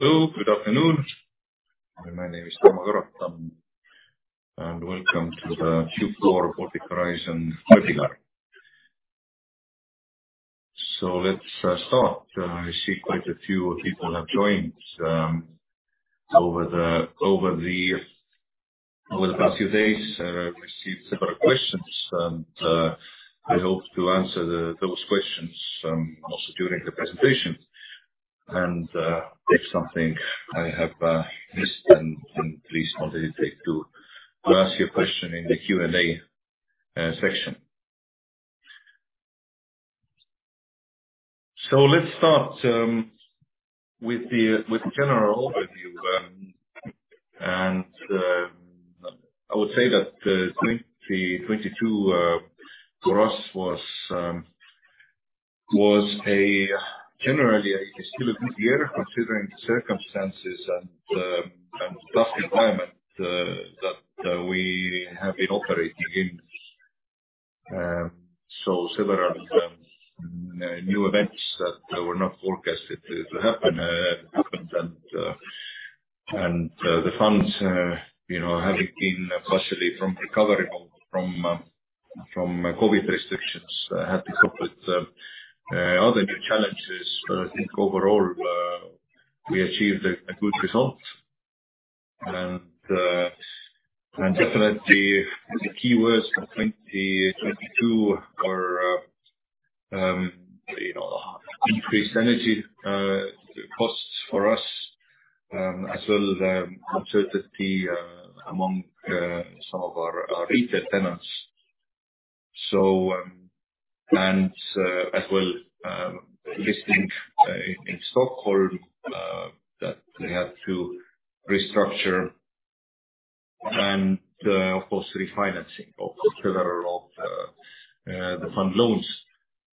Hello, good afternoon. My name is Tarmo Karotam. Welcome to the Q4 Baltic Horizon. Let's start. I see quite a few people have joined over the past few days. We've received several questions, and I hope to answer those questions also during the presentation. If something I have missed then please don't hesitate to ask your question in the Q&A section. Let's start with the general overview. I would say that 2022 for us was a generally a still a good year considering the circumstances and tough environment that we have been operating in. Several new events that were not forecasted to happen, happened and the funds, you know, having been partially from recovering from COVID restrictions, had to cope with other new challenges. I think overall, we achieved a good result. Definitely the key words for 2022 are, you know, increased energy costs for us, as well as uncertainty among some of our retail tenants. As well, listing in Stockholm that we had to restructure and of course refinancing of several of the fund loans.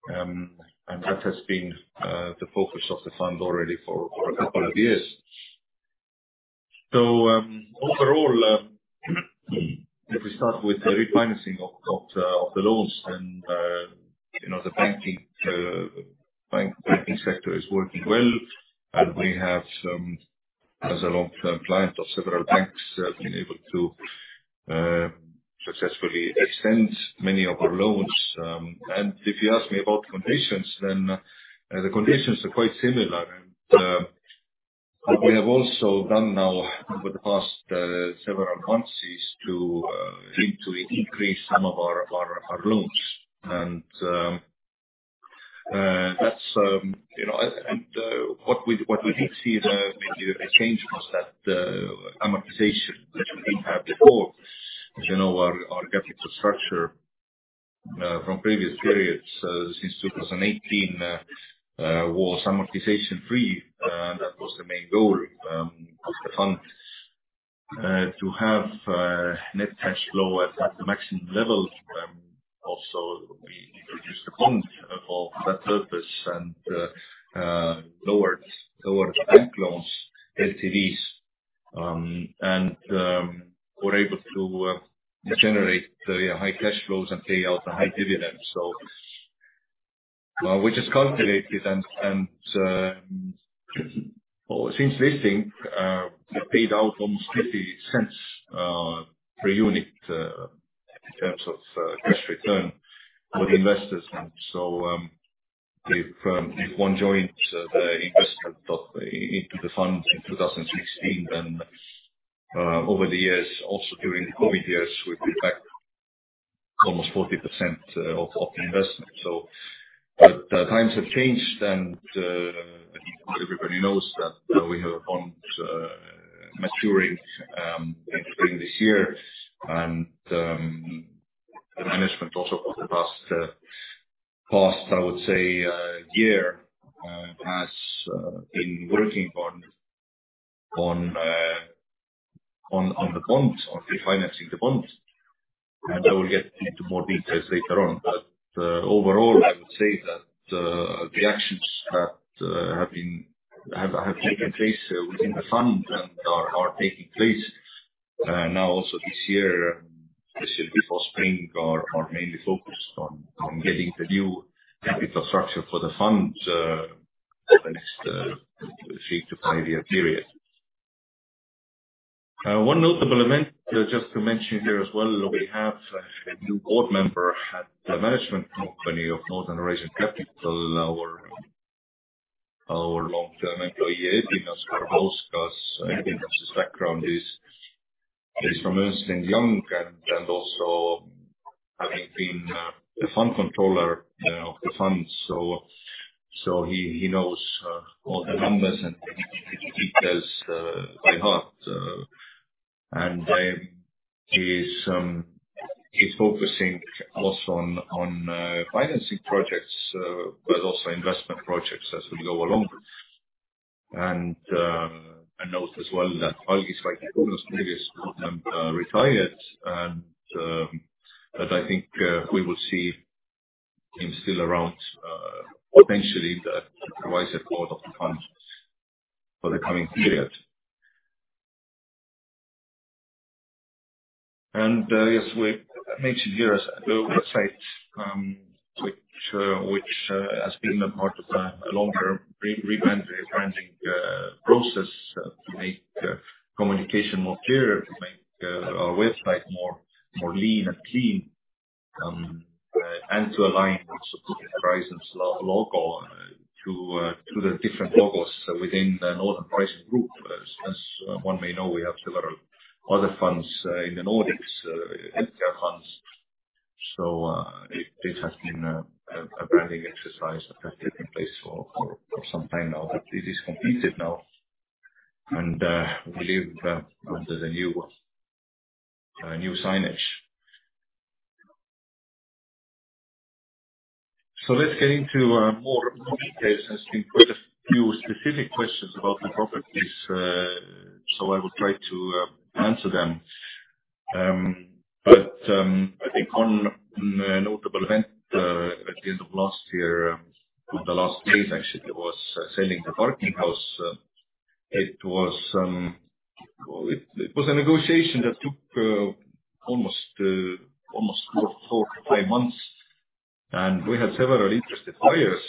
That has been the focus of the fund already for a couple of years. Overall, if we start with the refinancing of the loans then, you know, the banking sector is working well, and we have, as a long-term client of several banks, been able to successfully extend many of our loans. If you ask me about conditions, then, the conditions are quite similar. What we have also done now over the past several months is to link to increase some of our loans. That's, you know. What we did see the change was that, amortization which we didn't have before. As you know, our capital structure, from previous periods, since 2018, was amortization-free. That was the main goal of the fund to have net cash flow at the maximum levels. We introduced the bond for that purpose and lowered bank loans, LTVs, and were able to generate high cash flows and pay out a high dividend. We just calculated and well, since listing, we've paid out almost 0.50 per unit in terms of cash return for the investors. If one joins the investment into the fund in 2016, over the years, also during the COVID years, we paid back almost 40% of the investment. Times have changed and I think everybody knows that we have bonds maturing in spring this year. The management also for the past, I would say, year, has been working on the bonds, on refinancing the bonds. I will get into more details later on. Overall, I would say that the actions that have taken place within the fund and are taking place now also this year, especially before spring, are mainly focused on getting the new capital structure for the fund at least a three to five year period. One notable event just to mention here as well, we have a new board member at the management company of Northern Horizon Capital. Our long-term employee, Edvinas Karbauskas. Edvinas' background is from Ernst & Young and also having been the fund controller of the fund. He knows all the numbers and details by heart. He is focusing also on financing projects, but also investment projects as we go along. I note as well that Algis Vaicekaunas, previous board member, retired and but I think we will see him still around potentially in an advisory board of the fund for the coming period. Yes, we mentioned here the websites, which has been a part of a longer rebranding process to make communication more clear, to make our website more, more lean and clean, and to align also to the Northern Horizon's logo, to the different logos within the Northern Horizon group. As one may know, we have several other funds in the Nordics, healthcare funds. This has been a branding exercise that has taken place for some time now. It is completed now and we live under the new signage. Let's get into more details. There's been quite a few specific questions about the properties, so I will try to answer them. I think one notable event at the end of last year, in the last days actually, was selling the parking house. It was. Well, it was a negotiation that took almost four to five months. We had several interested buyers,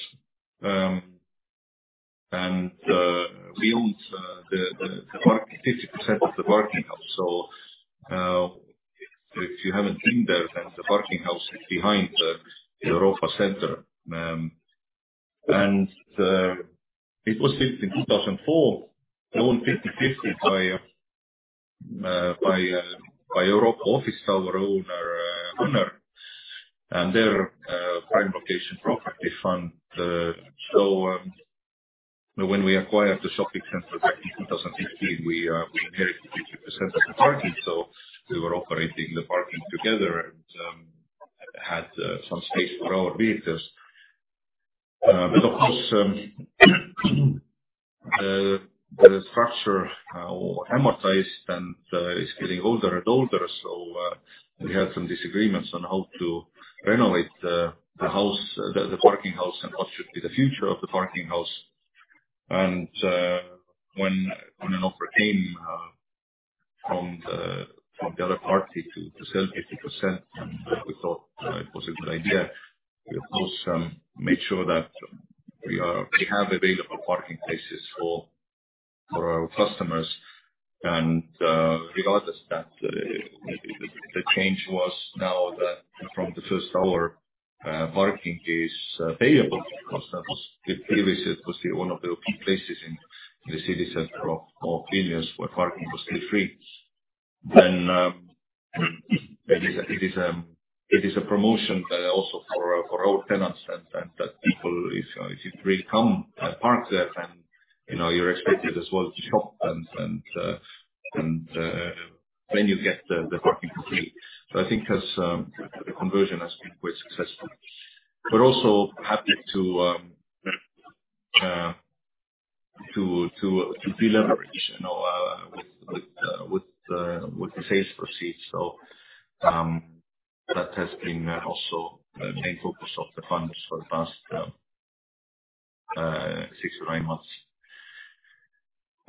six or nine months.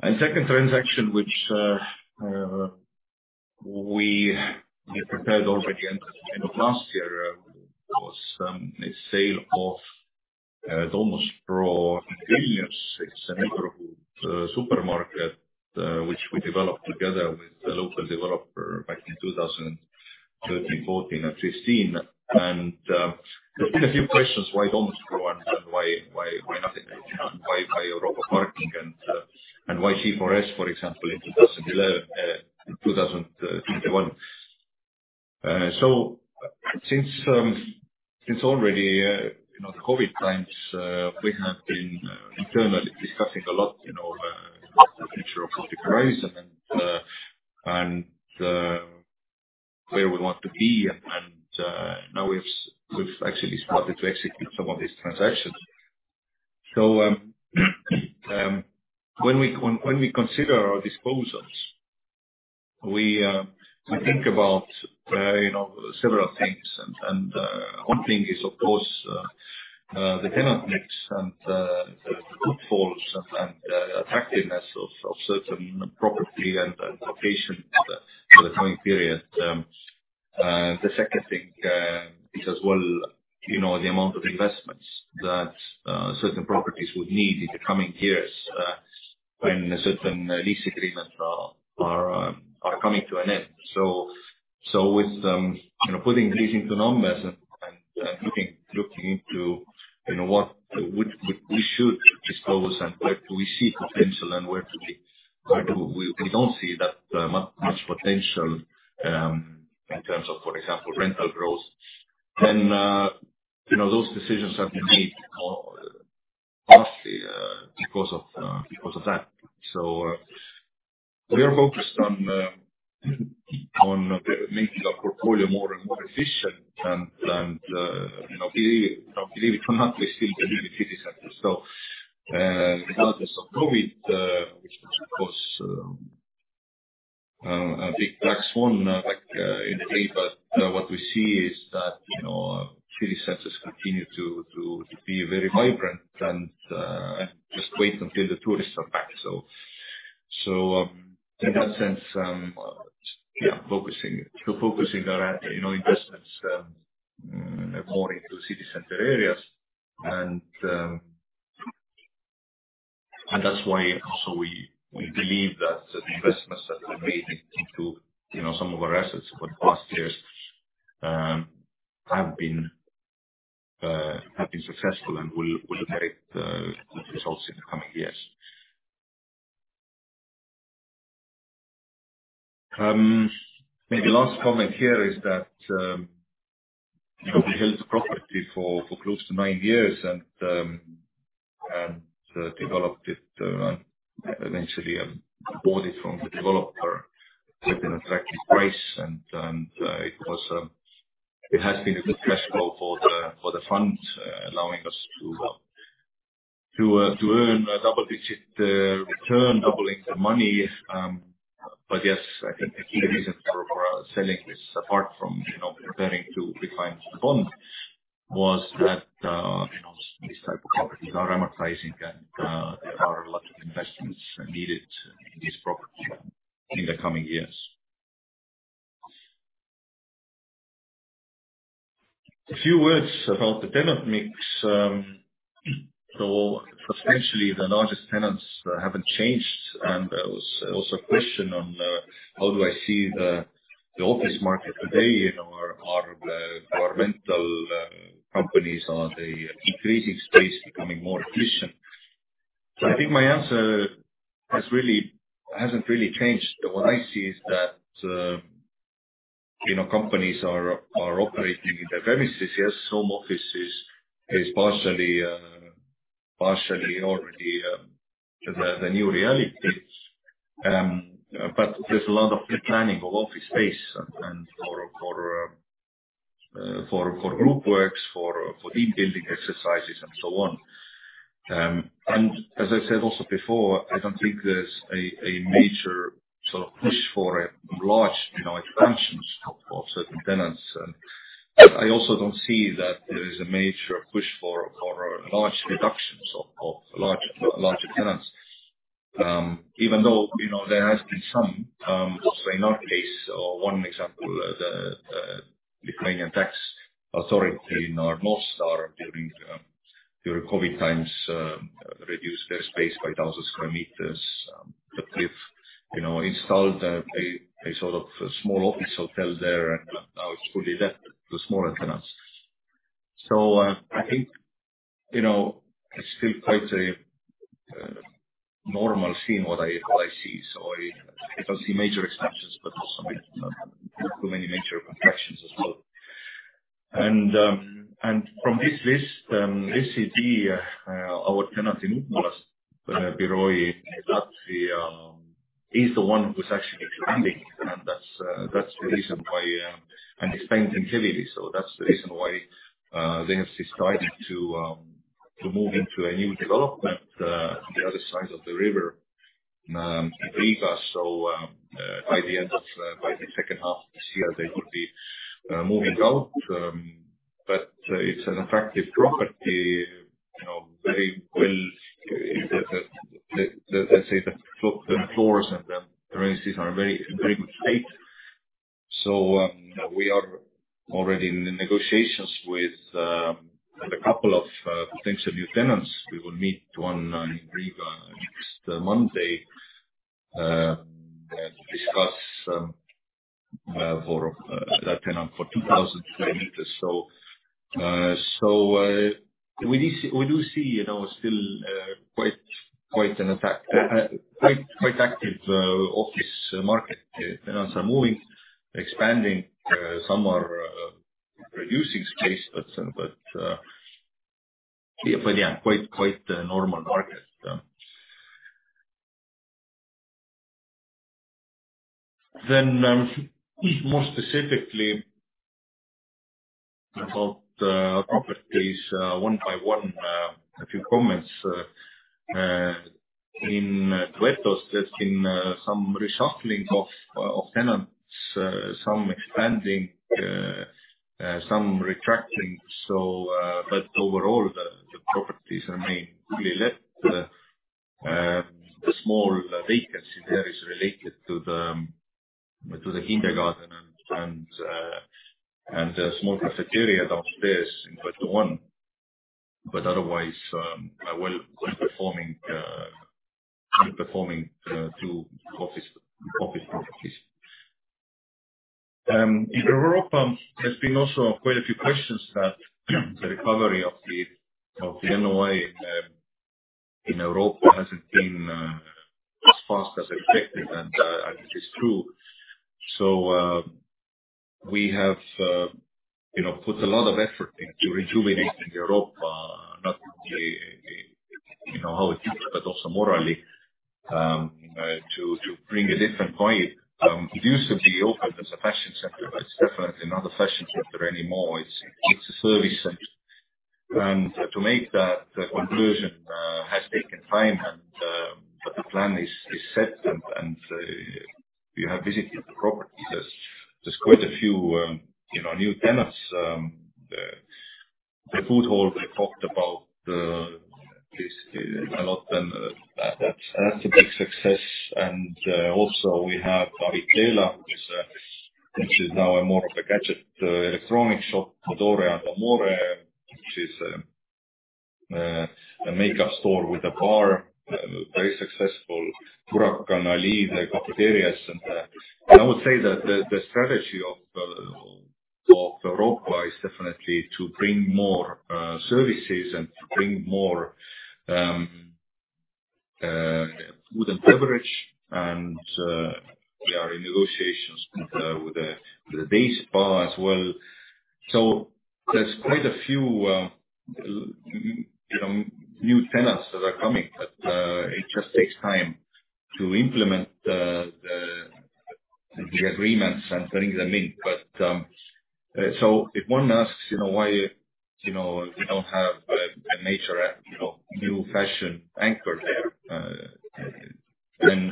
A second transaction which we had prepared already end of last year was a sale of Domus PRO Vilnius. It's a neighborhood supermarket which we developed together with the local developer back in 2013, 2014, and 2015. There's been a few questions why Domus PRO and why not Europa Parking and why G4S, for example, in 2021. Since already, you know, the COVID times, we have been internally discussing a lot, you know, the future of Baltic Horizon and where we want to be. Now we've actually started to execute some of these transactions. When we consider our disposals, we think about, you know, several things. One thing is of course, the tenant mix and the footfalls and attractiveness of certain property and location for the coming period. The second thing is as well, you know, the amount of investments that certain properties would need in the coming years, when certain lease agreements are coming to an end. With, you know, putting these into numbers and, and looking into, you know, what, what we should dispose and where do we see potential and where do we don't see that much potential, in terms of, for example, rental growth, then, you know, those decisions have been made, you know, partly, because of, because of that. We are focused on making our portfolio more and more efficient and, you know, be, you know, believe it or not, we still believe in the city center. Regardless of COVID, which was of course, a big black swan, back in the day. What we see is that city centers continue to be very vibrant and just wait until the tourists are back. In that sense, yeah, focusing, so focusing our, you know, investments more into city center areas. And that's why also we believe that the investments that we're making into, you know, some of our assets over the past years have been successful and will generate good results in the coming years. Maybe last comment here is that, you know, we held the property for close to nine years and developed it eventually bought it from the developer at an attractive price. And it was, it has been a good cash flow for the fund, allowing us to earn a double-digit return, doubling the money. Yes, I think the key reason for selling this apart from, you know, preparing to refinance the bond was that, you know, these type of properties are amortizing and there are a lot of investments needed in these properties in the coming years. A few words about the tenant mix. Essentially the largest tenants haven't changed. There was also a question on how do I see the office market today, you know, are rental companies, are they increasing space becoming more efficient? I think my answer hasn't really changed. What I see is that, you know, companies are operating in their premises. Yes, home office is partially already, the new reality. But there's a lot of planning of office space and for group works, for team-building exercises and so on. As I said also before, I don't think there's a major sort of push for a large, you know, expansions of certain tenants. I also don't see that there is a major push for large reductions of large tenants. Even though, you know, there has been some, also in our case, one example, the Ukrainian tax authority in our North Star during COVID times, reduced their space by thousands of square meters. We've, you know, installed a sort of small office hotel there and now it's fully let to smaller tenants. I think, you know, it's still quite a normal scene what I see. I don't see major expansions, but also not too many major contractions as well. From this list, ACD, our tenant in Upmalas Biroji is actually the one who's actually expanding. That's the reason why, and expanding significantly. That's the reason why they have decided to move into a new development, the other side of the river, in Riga. By the end of the second half of this year, they could be moving out. But it's an attractive property, you know, very well, let's say the floors and the premises are in very, very good state. We are already in negotiations with a couple of potential new tenants. We will meet one in Riga next Monday, to discuss, for that tenant for 2,000 square meters. We do see, you know, still, quite an active office market. The tenants are moving, expanding, some are reducing space, but, quite a normal market, yeah. More specifically about properties, one by one, a few comments. In Duetto there's been some reshuffling of tenants, some expanding, some retracting. So, but overall the properties remain fully let. The small vacancy there is related to the kindergarten and a small cafeteria downstairs in Duetto I. Otherwise, a well-performing two office properties. In Europa Center, there's been also quite a few questions that the recovery of the NOI in Europa Center hasn't been as fast as expected, and it is true. We have, you know, put a lot of effort into rejuvenating Europa Center, not only, you know, how it looks, but also morally, to bring a different vibe. It used to be opened as a fashion center, but it's definitely not a fashion center anymore. It's a service center. To make that conversion has taken time. Plan is set and you have visited the property. There's quite a few, you know, new tenants, the food hall they talked about this a lot and that's a big success. Also we have Ariala, which is now more of a gadget electronics shop. Modore & Amore which is a makeup store with a bar, very successful. Buran, the cafeterias. I would say that the strategy of Europa is definitely to bring more services and to bring more food and beverage and we are in negotiations with a base bar as well. There's quite a few, you know, new tenants that are coming. It just takes time to implement the agreements and bring them in. If one asks, you know, why, you know, we don't have a nature, you know, new fashion anchor there,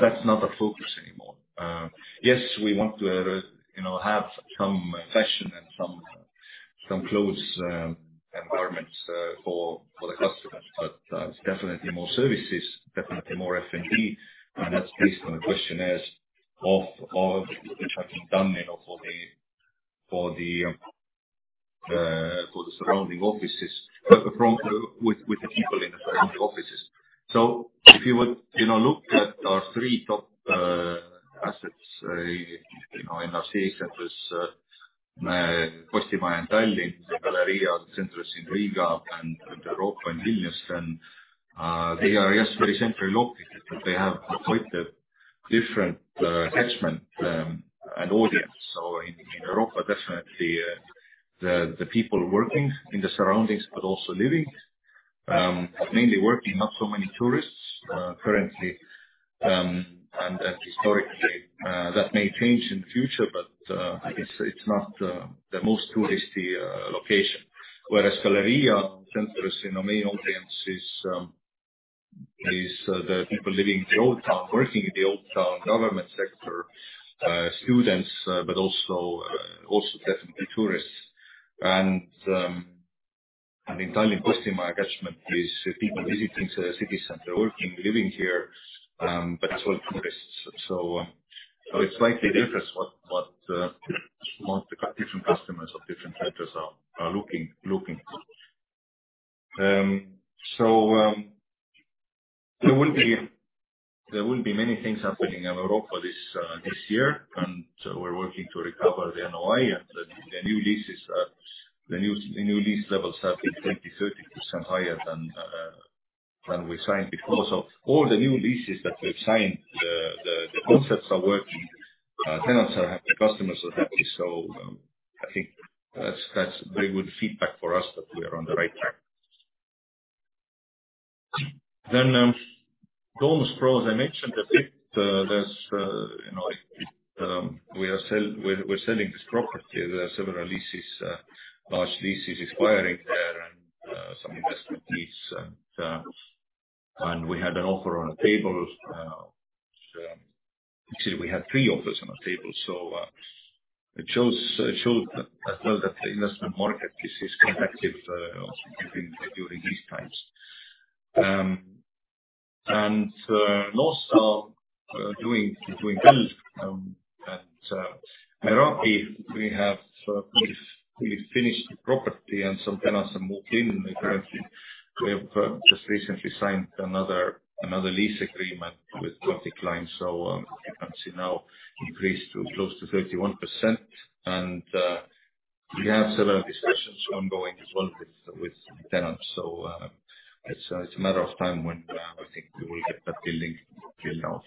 that's not our focus anymore. Yes, we want to, you know, have some fashion and some clothes environment for the customers. That's definitely more services, definitely more F&B. That's based on the questionnaires of which have been done, you know, for the for the surrounding offices. With the people in the surrounding offices. If you would, you know, look at our three top assets, you know, in our case, that was Postimaja in Tallinn, Galerija Centrs in Riga and Europa in Vilnius. They are just very centrally located, but they have quite a different catchment and audience. In Europa definitely, the people working in the surroundings but also living, mainly working. Not so many tourists currently and historically, that may change in future, but it's not the most touristy location. Galerija Centrs, you know, main audience is the people living in the old town, working in the old town, government sector, students, but also definitely tourists. In Tallinn Postimaja catchment is people visiting the city center, working, living here, but as well tourists. It's slightly different what different customers of different centers are looking. There will be many things happening in Europa this year. We're working to recover the NOI and the new lease levels have been 20%-30% higher than we signed before. All the new leases that we've signed, the concepts are working. The customers are happy. I think that's very good feedback for us that we are on the right track. Domus PRO, as I mentioned, I think there's, you know, we're selling this property. There are several leases, large leases expiring there and some investment lease. We had an offer on the table. Actually, we had three offers on the table. It shows that, well, that the investment market is competitive even during these times. North Star is doing well. Meraki we've finished the property and some tenants have moved in. Currently we have just recently signed another lease agreement with 20 clients. You can see now increased to close to 31%. We have several discussions ongoing as well with tenants. It's a matter of time when I think we will get that building filled out.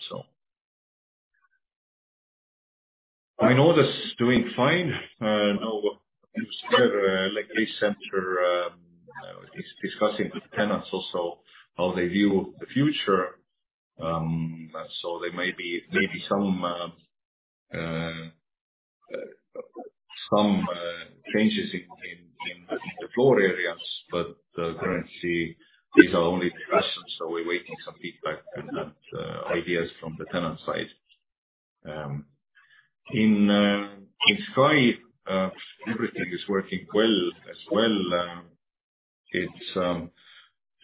Vainodes doing fine. You know, like this center is discussing with the tenants also how they view the future. There may be some changes in the floor areas. Currently these are only discussions, so we're waiting some feedback and ideas from the tenant side. In Kai, everything is working well as well. It's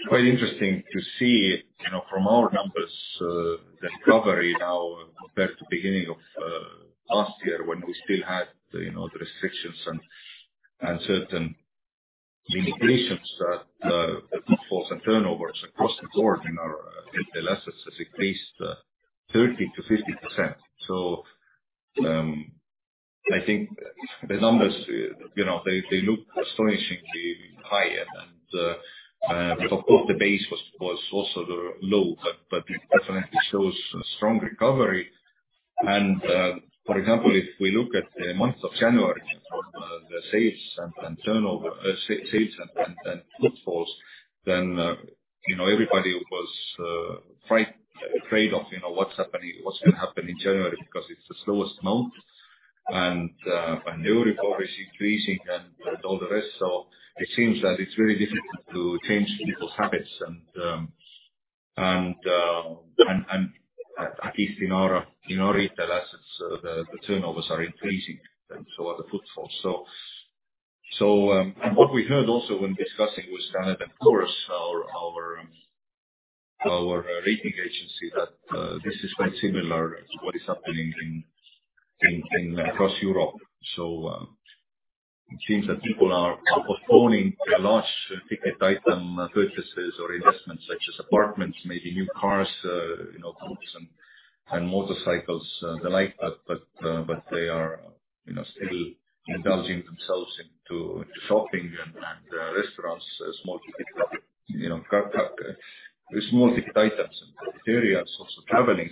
quite interesting to see, you know, from our numbers, the recovery now compared to beginning of last year when we still had, you know, the restrictions and certain limitations that the footfalls and turnovers across the board in our in Tallinn assets has increased 30%-50%. I think the numbers, you know, they look astonishingly higher. Of course the base was also low. It definitely shows a strong recovery. For example, if we look at the month of January for the sales and turnover, sales and footfalls, then you know, everybody was afraid of, you know, what's happening, what's gonna happen in January because it's the slowest month. New recovery is increasing and all the rest. It seems that it's very difficult to change people's habits and at least in our, in our retail assets, the turnovers are increasing, and so are the footfalls. What we heard also when discussing with kind of course our rating agency that this is quite similar to what is happening across Europe. It seems that people are postponing their large ticket item purchases or investments such as apartments, maybe new cars, you know, boats and motorcycles, the like, but they are, you know, still indulging themselves into shopping and restaurants, small ticket items and areas, also traveling.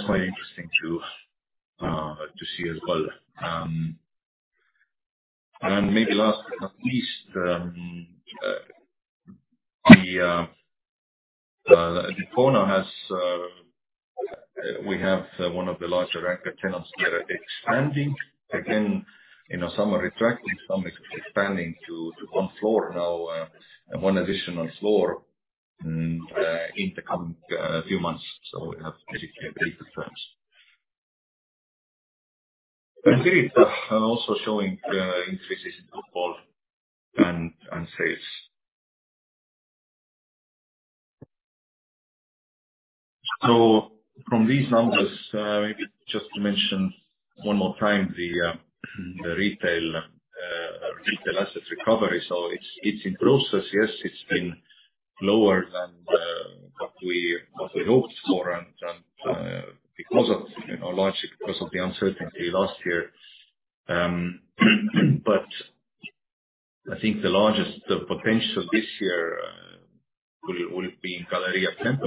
That's quite interesting to see as well. Maybe last but not least, the corner has, we have one of the larger anchor tenants there expanding again, you know, some are retracting, some expanding to one floor now, and one additional floor in the coming few months. We have pretty big plans. Also showing increases in football and sales. From these numbers, maybe just to mention one more time the retail assets recovery. It's in process, yes, it's been lower than what we hoped for and because of, you know, logic, because of the uncertainty last year. But I think the largest potential this year will be in Galerija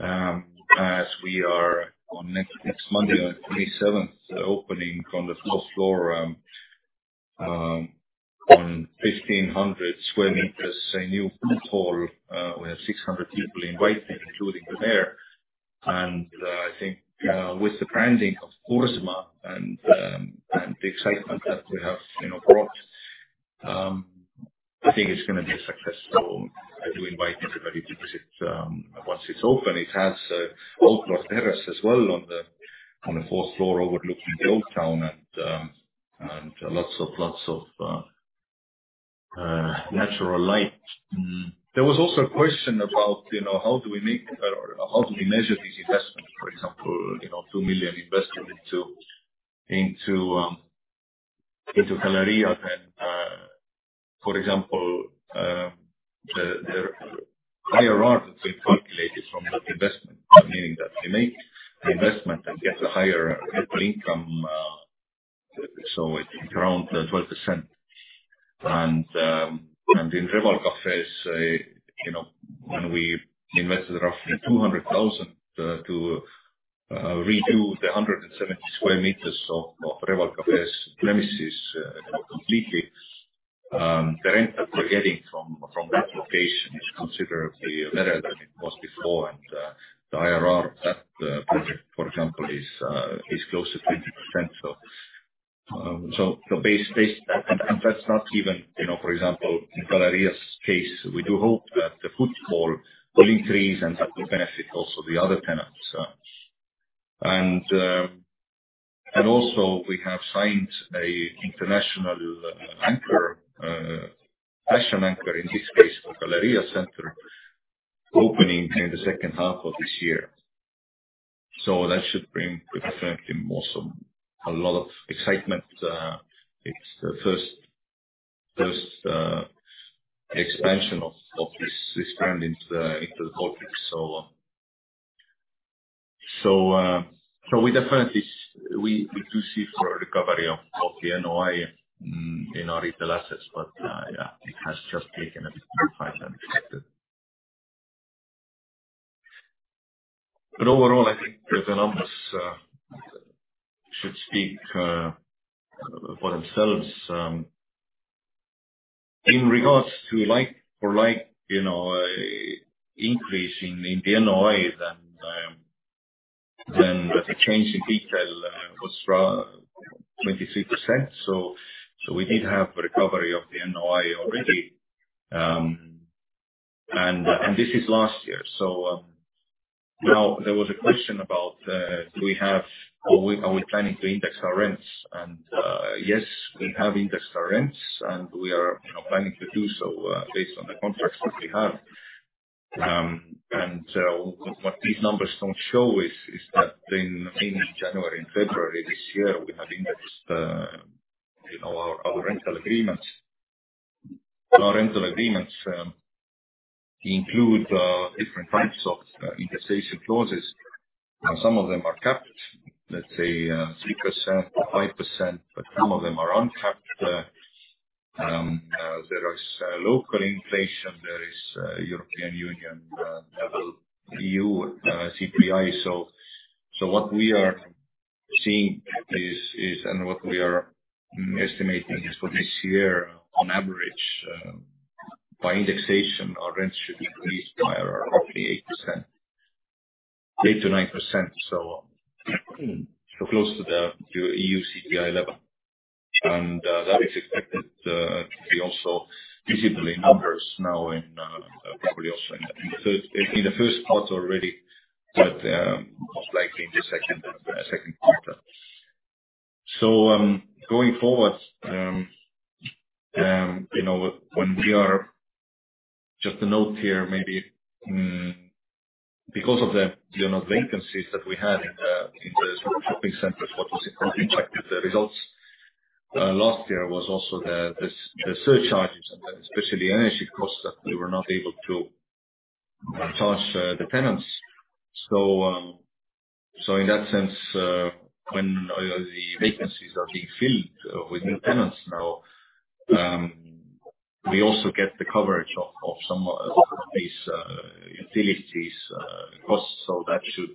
Centrs, as we are on next Monday on the 27th, opening on the 4th floor, on 1,500 square meters, a new food hall. We have 600 people invited, including the mayor. I think with the branding of Burzma and the excitement that we have, you know, brought, I think it's gonna be successful. I do invite everybody to visit once it's open. It has an outdoor terrace as well on the fourth floor overlooking the old town and lots of natural light. There was also a question about, you know, how do we make or how do we measure these investments, for example, you know, 2 million investment into Galerija Centrs. For example, the IRR that we calculated from that investment, meaning that we make the investment and get a higher income. So it's around 12%. In Reval Cafes, you know, when we invested roughly 200,000 to redo the 170 square meters of Reval Cafes premises, you know, completely, the rent that we're getting from that location is considerably better than it was before. The IRR of that project, for example, is close to 20%. That's not even, you know, for example, in Galerija Centrs's case, we do hope that the footfall will increase and that will benefit also the other tenants. Also we have signed an international anchor, fashion anchor in this case of Galerija Centrs opening in the second half of this year. That should bring definitely more, so a lot of excitement. It's the first expansion of this brand into the Baltics. We definitely see for a recovery of the NOI in our retail assets. Yeah, it has just taken a bit more time than expected. I think the numbers should speak for themselves. In regards to like-for-like, you know, increase in the NOI than the change in detail was around 23%. We did have recovery of the NOI already. This is last year. Now there was a question about, do we have or are we planning to index our rents? Yes, we have indexed our rents and we are, you know, planning to do so based on the contracts that we have. What these numbers don't show is that in January and February this year, we have indexed, you know, our rental agreements. Our rental agreements include different types of indexation clauses. Some of them are capped, let's say, 3% or 5%, but some of them are uncapped. There is local inflation. There is European Union level EU CPI. What we are seeing is, and what we are estimating is for this year on average, By indexation, our rents should increase by roughly 8%. 8%-9%, so close to the EU CPI level. That is expected to be also visible in numbers now in probably also in the first part already, but most likely in the second quarter. Going forward, you know, when we are to note here, maybe, because of the, you know, vacancies that we had in those shopping centers, what was impacted the results last year was also the surcharges and especially energy costs that we were not able to charge the tenants. In that sense, when the vacancies are being filled with new tenants now, we also get the coverage of some of these utilities costs. That should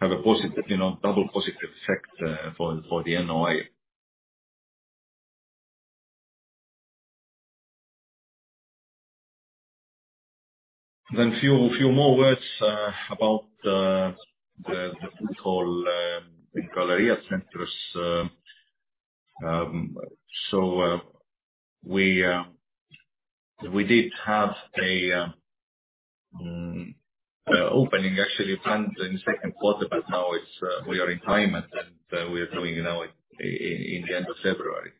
have a positive, you know, double positive effect for the NOI. Few more words about the food hall in Galerija Centrs. We did have an opening actually planned in the second quarter, but now it's, we are in time and we are doing it now in the end of February.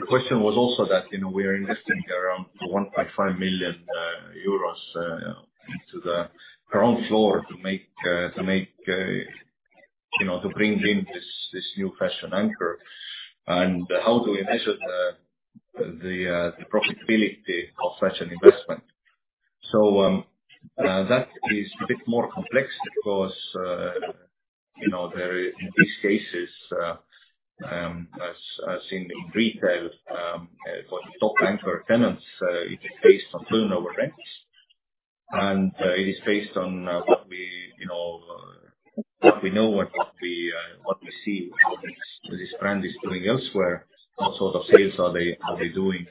The question was also that, you know, we are investing around 1.5 million euros into the ground floor to make, you know, to bring in this new fashion anchor. How do we measure the profitability of such an investment? That is a bit more complex because, you know, there is these cases, as in retail, for the top anchor tenants, it is based on turnover rents. It is based on what we, you know, what we know and what we see, how this brand is doing elsewhere, what sort of sales are they doing?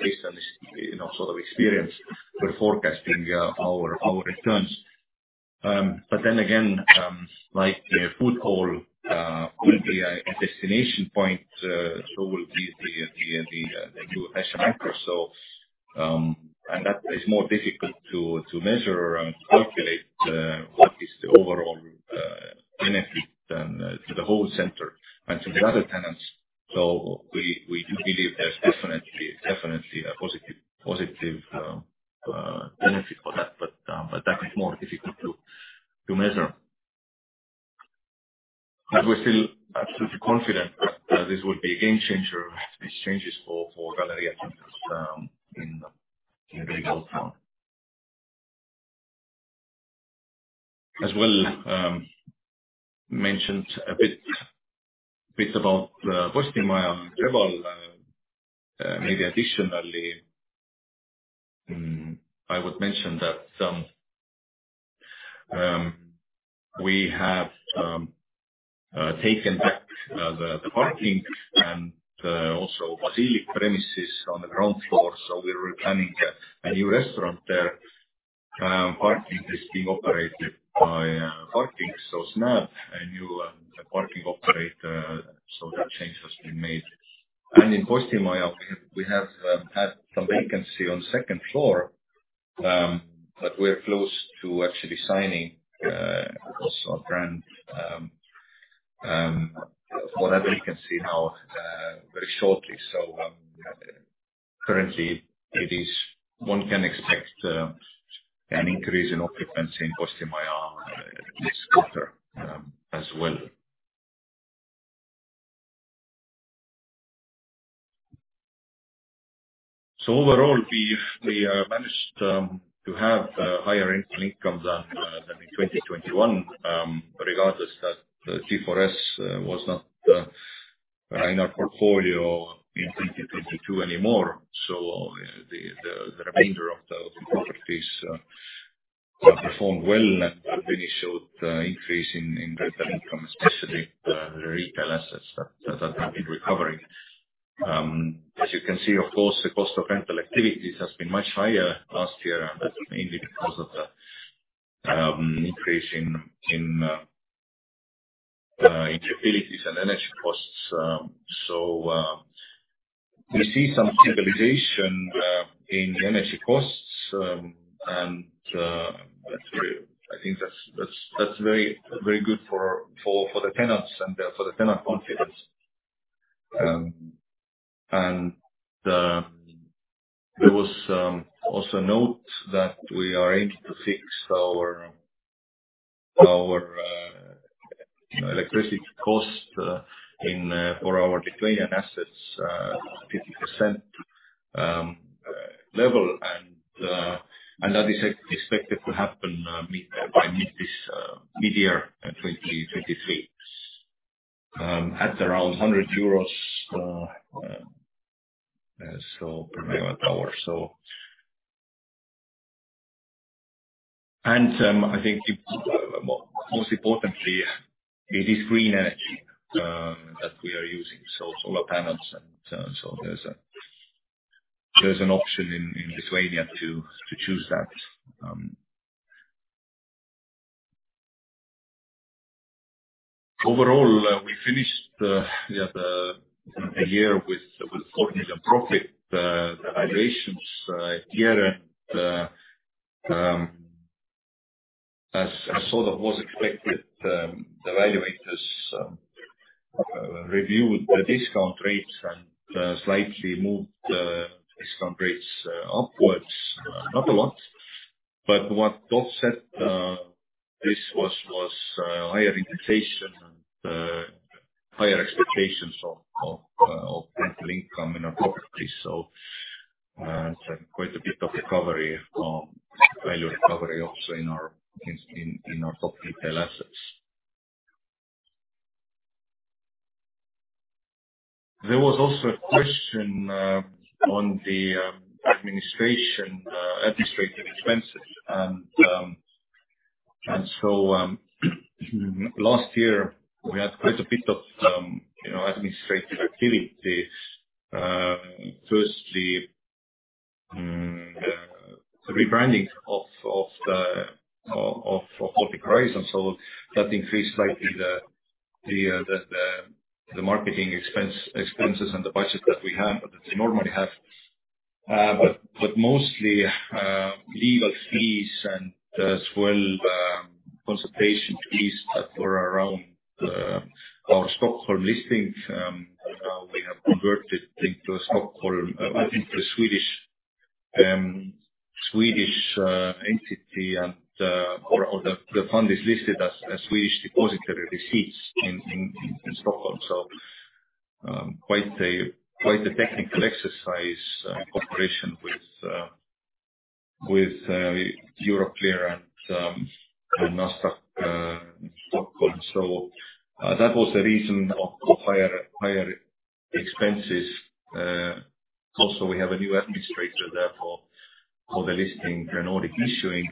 Based on this, you know, sort of experience, we're forecasting our returns. Then again, like a food hall will be a destination point. Will be the new fashion anchor. And that is more difficult to measure and calculate what is the overall benefit then to the whole center and to the other tenants. We do believe there's definitely a positive benefit for that. That is more difficult to measure. We're still absolutely confident that this will be a game changer, these changes for Galerija Centrs, in big old town. As well, mentioned a bit about Postimaja and Reval. Maybe additionally, I would mention that we have taken back the parking and also Basil premises on the ground floor. We were planning a new restaurant there. Parking is being operated by Parking So Smart, a new parking operator. That change has been made. In Postimaja, we have had some vacancy on second floor, but we're close to actually signing also a brand for that vacancy now very shortly. Currently, one can expect an increase in occupancy in Postimaja this quarter as well. Overall, we managed to have higher rental income than in 2021, regardless that G4S was not in our portfolio in 2022 anymore. The remainder of the properties have performed well and really showed increase in rental income, especially the retail assets that have been recovering. As you can see, of course, the cost of rental activities has been much higher last year. That's mainly because of the increase in utilities and energy costs. We see some stabilization in energy costs. I think that's very good for the tenants and for the tenant confidence. There was also note that we are aimed to fix our electricity cost in for our declining assets 50% level. That is expected to happen by mid this mid-year in 2023 at around EUR 100 so per megawatt-hour or so. I think most importantly, it is green energy that we are using. Solar panels and there's an option in Lithuania to choose that. Overall, we finished the year with EUR 4 million profit. Valuations here and sort of was expected, the valuators reviewed the discount rates and slightly moved discount rates upwards. Not a lot, what does set this higher inflation and higher expectations of rental income in our properties. Quite a bit of recovery, value recovery also in our top retail assets. There was also a question on the administration administrative expenses. Last year we had quite a bit of, you know, administrative activity. Firstly, the rebranding of Baltic Horizon Fund. That increased slightly the marketing expenses and the budget that they normally have. But mostly, legal fees and as well, consultation fees that were around our Stockholm listings. We have converted into a Stockholm, I think the Swedish entity and or the fund is listed as Swedish depository receipts in Stockholm. Quite a technical exercise, cooperation with Euroclear and Nasdaq Stockholm. That was the reason of higher expenses. Also, we have a new administrator therefore for the listing, the Nordic Issuing.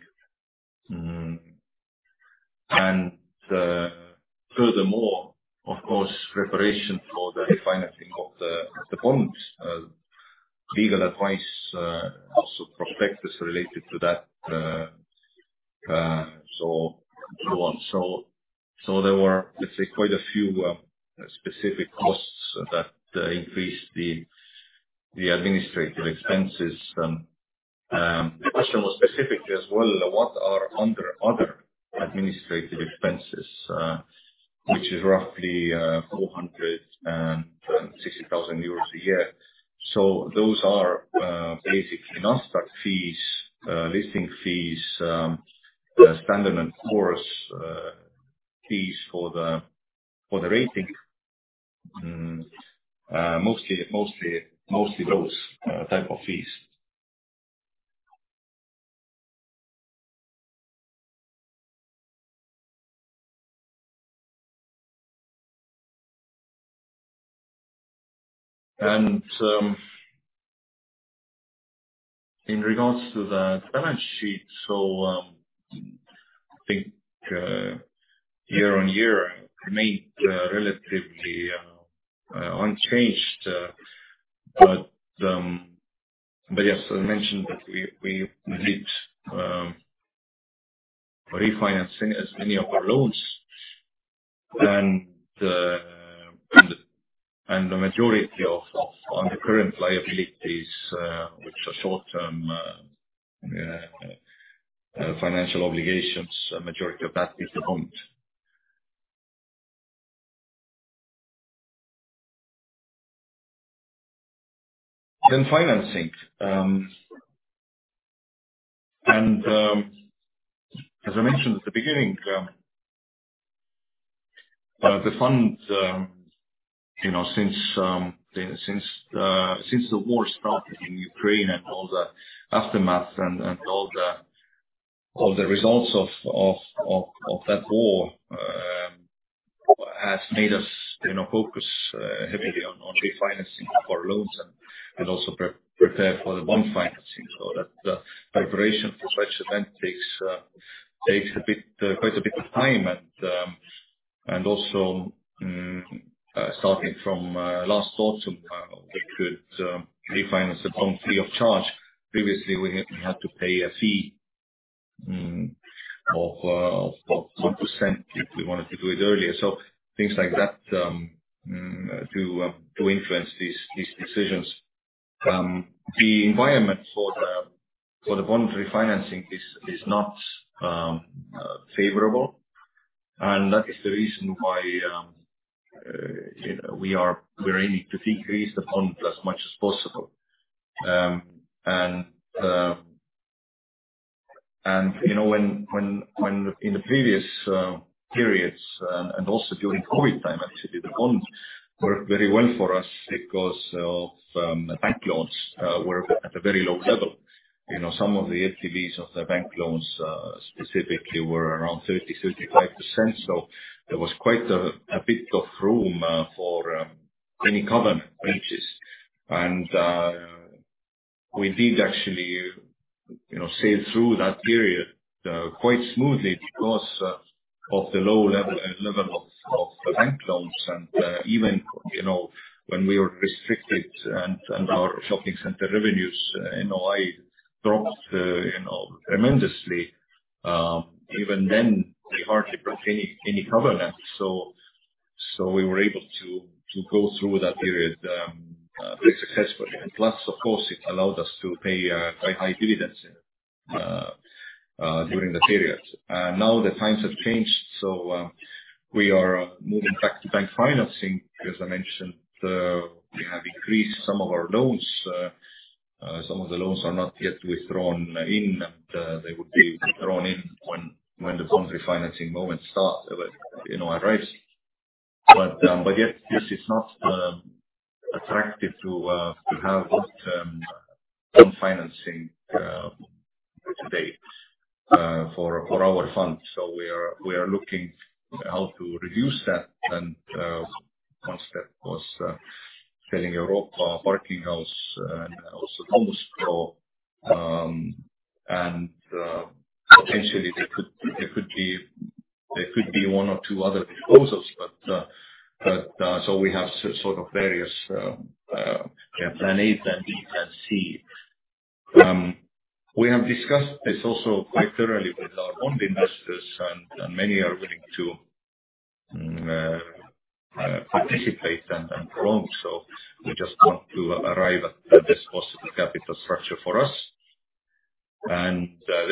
Furthermore, of course, preparation for the refinancing of the bonds. Legal advice, also prospectus related to that, and so on. There were, let's say, quite a few specific costs that increased the administrative expenses. The question was specifically as well, what are under other administrative expenses, which is roughly 460,000 euros a year. So those are basically Nasdaq fees, listing fees, the Standard & Poor's fees for the rating. Mostly, mostly those type of fees. In regards to the balance sheet, I think year-on-year remained relatively unchanged. But yes, as I mentioned, we did refinancing as many of our loans and the majority of undercurrent liabilities, which are short-term financial obligations, a majority of that is the bond. Then financing, as I mentioned at the beginning, the fund, you know, since since the war started in Ukraine and all the aftermath and all the results of that war, has made us, you know, focus heavily on refinancing our loans and also pre-prepare for the bond financing. That preparation for such event takes a bit, quite a bit of time. Also, starting from last autumn, we could refinance the bond free of charge. Previously, we had to pay a fee of 1% if we wanted to do it earlier. Things like that to influence these decisions. The environment for the bond refinancing is not favorable. That is the reason why, you know, we are aiming to decrease the bond as much as possible. You know, when in the previous periods and also during COVID time actually, the bonds worked very well for us because of bank loans were at a very low level. You know, some of the LTVs of the bank loans specifically were around 30%-35%. There was quite a bit of room for any covenant breaches. We did actually, you know, sail through that period quite smoothly because of the low level of bank loans. You know, when we were restricted and our shopping center revenues, you know, I dropped, you know, tremendously. Even then we hardly broke any covenants. We were able to go through that period pretty successfully. Plus, of course, it allowed us to pay quite high dividends during the period. Now the times have changed, so we are moving back to bank financing. As I mentioned, we have increased some of our loans. Some of the loans are not yet withdrawn in, and they would be drawn in when the bond refinancing moment start, you know, arrives. Yet this is not attractive to have some financing to date for our fund. We are looking how to reduce that. One step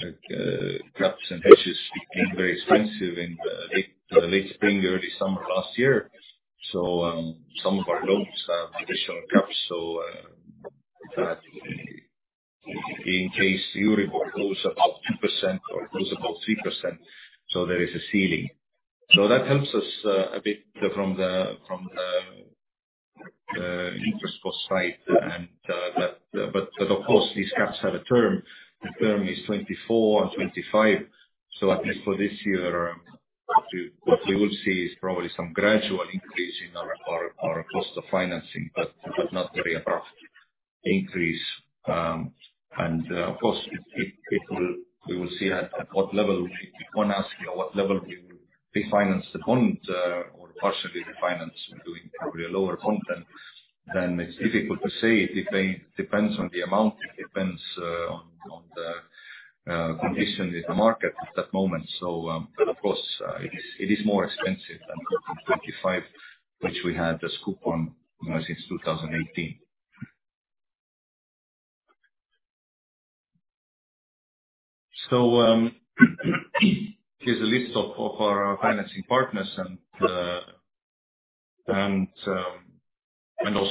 was selling Europa parking house and also.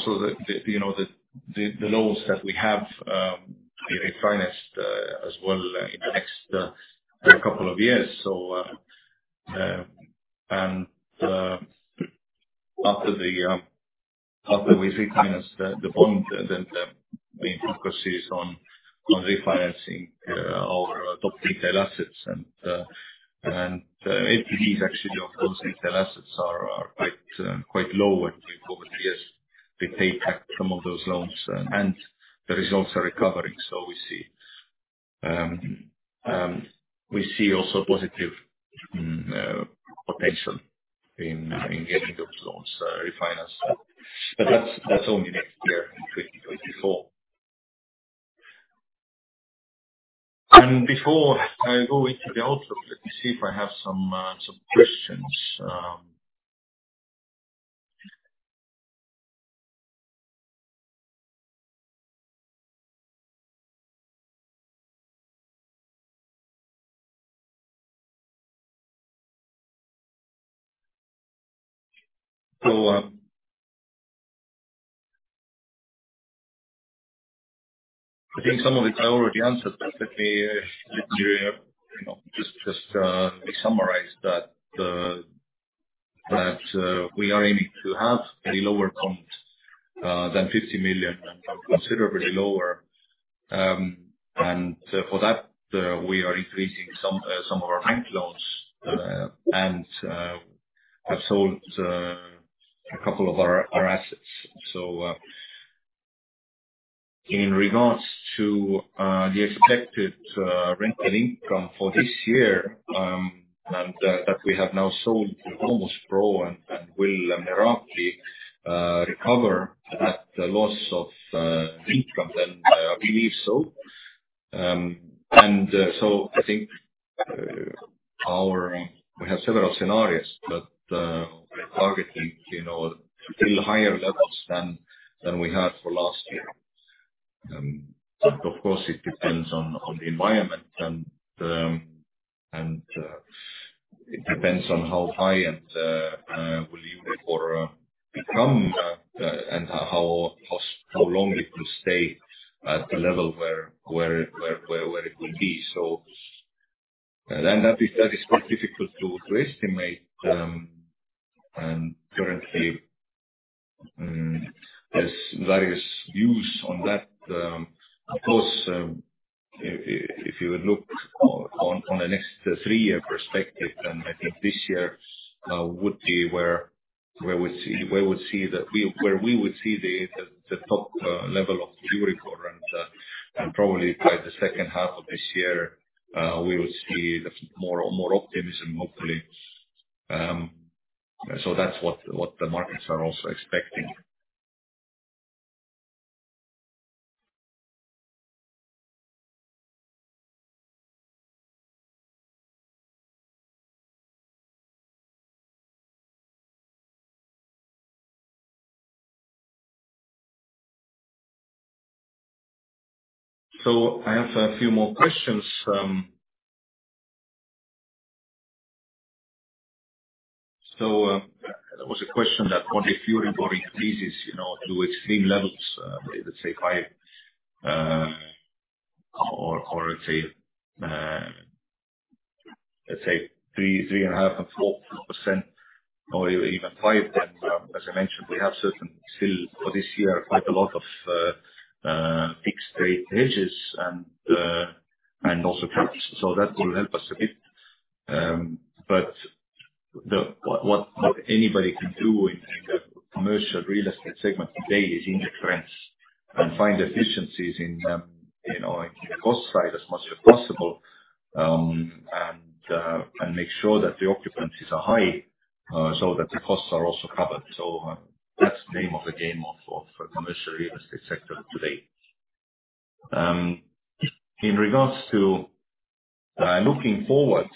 Before I go into the outlook, let me see if I have some questions. I think some of it I already answered, but let me, you know, just summarize that we are aiming to have a lower bond than 50 million and considerably lower. For that, we are increasing some of our bank loans and have sold a couple of our assets. In regards to the expected rental income for this year, that we have now sold to Domus PRO and will rapidly recover that loss of income then, I believe so. I think, We have several scenarios, but, we're targeting, you know, still higher levels than we had for last year. Of course, it depends on the environment and the, and it depends on how high and will Euribor become, and how long it will stay at the level where it will be. That is, that is quite difficult to estimate. Currently, there's various views on that. Of course, if you would look on the next three year perspective, I think this year would be where we see the top level of Euribor and probably by the second half of this year, we will see more optimism, hopefully. That's what the markets are also expecting. I have a few more questions. There was a question that what if Euribor increases, you know, to extreme levels, let's say 5%, or let's say 3.5% and 4% or even 5%, then, as I mentioned, we have certain still for this year, quite a lot of fixed rate hedges and also caps. That will help us a bit. What anybody can do in, like a commercial real estate segment today is in the trends and find efficiencies in the cost side as much as possible, and make sure that the occupancies are high, so that the costs are also covered. That's the name of the game of commercial real estate sector today. In regards to looking forward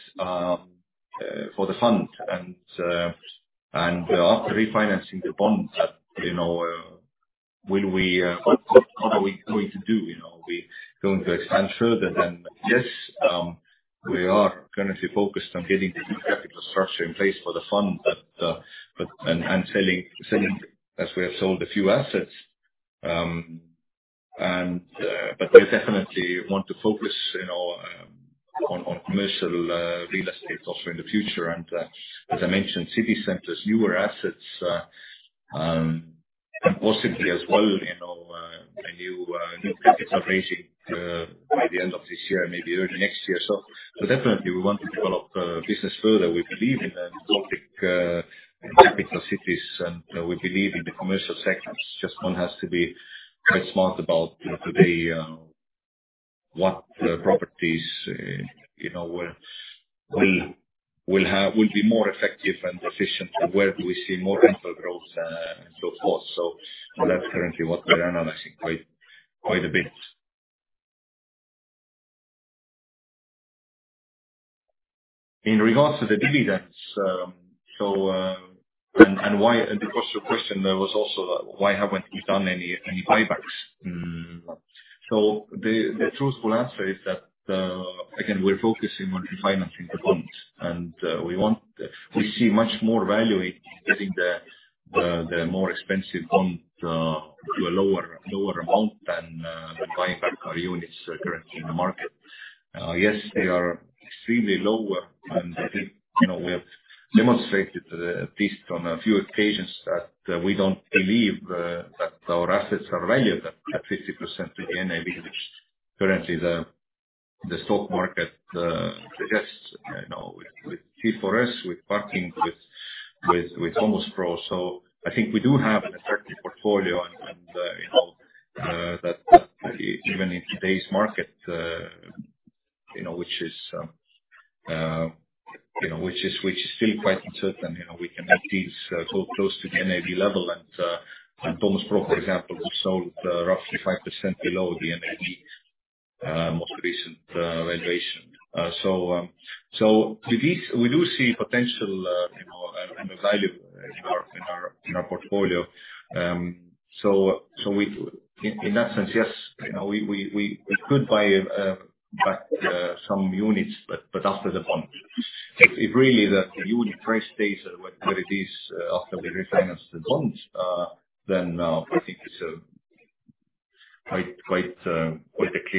for the fund and after refinancing the bonds, will we what are we going to do? Are we going to expand further? Yes, we are currently focused on getting the new capital structure in place for the fund, and selling as we have sold a few assets. We definitely want to focus, you know, on commercial real estate also in the future. As I mentioned, city centers, newer assets, and possibly as well, you know, a new capital raising by the end of this year, maybe early next year. Definitely we want to develop business further. We believe in the topic, capital cities, and we believe in the commercial sectors. Just one has to be quite smart about, you know, today, what properties, you know, will be more effective and efficient, and where do we see more rental growth, and so forth. That's currently what we're analyzing quite a bit. In regards to the dividends, and why, of course your question there was also why haven't we done any buybacks? The truthful answer is that again, we're focusing on refinancing the bonds, and we see much more value in getting the more expensive bond to a lower amount than buying back our units currently in the market. Yes, they are extremely low, and I think, you know, we have demonstrated at least on a few occasions that we don't believe that our assets are valued at 50% of the NAV, which currently the stock market suggests, you know, with G4S, with parking, with Domus PRO. I think we do have an attractive portfolio, you know, that even in today's market, you know, which is still quite uncertain, you know, we can get these close to the NAV level. Domus PRO, for example, we sold roughly 5% below the NAV, most recent valuation. With this, we do see potential, you know, and value in our portfolio. In that sense, yes, you know, we could buy back some units after the bond. If really the unit price stays where it is, after we refinance the bonds, then I think it's quite a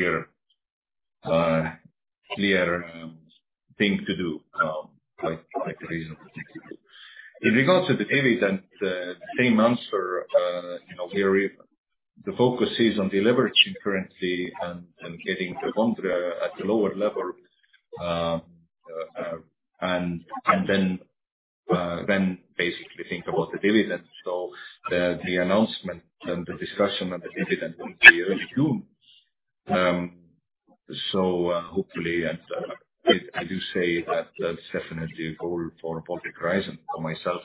clear thing to do, quite reasonable. In regards to the dividends, same answer. You know, the focus is on deleveraging currently and getting the bond at a lower level. Then basically think about the dividend. The announcement and the discussion of the dividend will be early June. Hopefully, and I do say that that's definitely a goal for Baltic Horizon and myself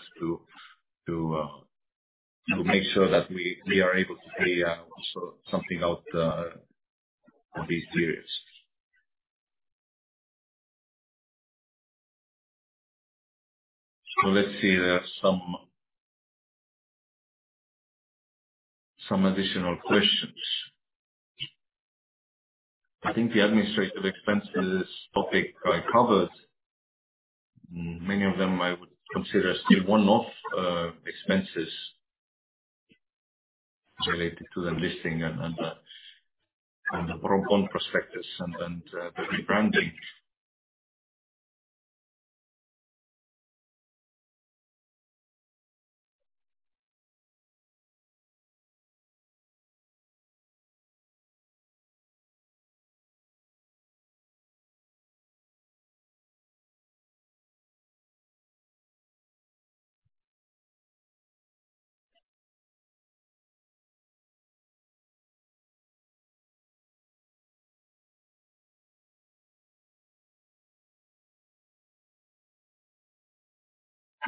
to make sure that we are able to pay also something out of these periods. Let's see. There are some additional questions. I think the administrative expenses topic I covered. Many of them I would consider still one-off expenses related to the listing and the prospectors and the rebranding.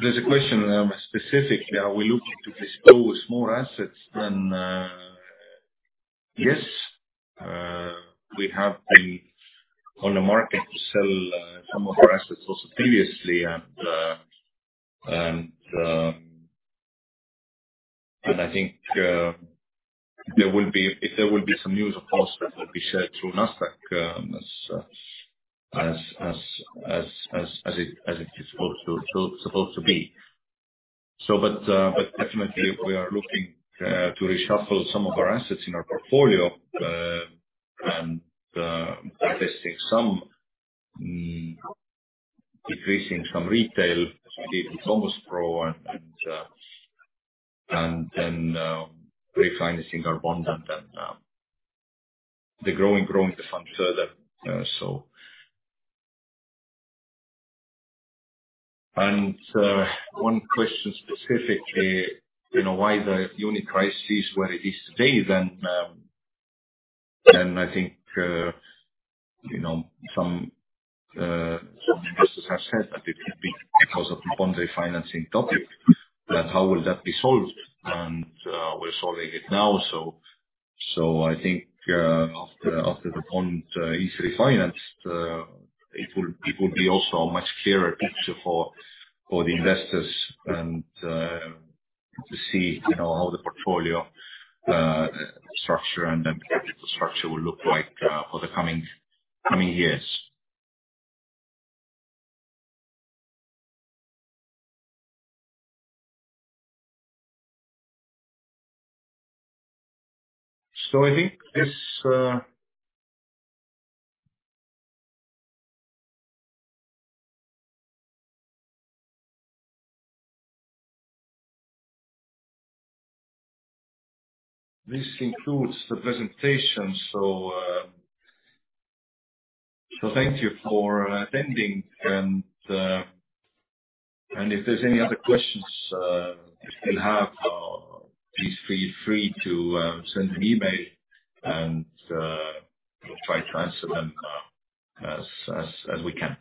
There's a question, specifically, are we looking to dispose more assets than? Yes. We have been on the market to sell some of our assets also previously and I think there will be. If there will be some news, of course, that will be shared through Nasdaq as it is supposed to be. Definitely we are looking to reshuffle some of our assets in our portfolio and investing some, decreasing some retail. It's almost pro and and then refinancing our bond and then growing the fund further. One question specifically, you know, why the unit price is where it is today, then, I think, you know, some investors have said that it could be because of the bond refinancing topic, that how will that be solved? We're solving it now. I think after the bond is refinanced, it will be also a much clearer picture for the investors and, to see, you know, how the portfolio structure and the capital structure will look like, for the coming years. I think this concludes the presentation. Thank you for attending. If there's any other questions you still have, please feel free to send an email. We'll try to answer them as we can.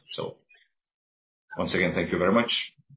Once again, thank you very much.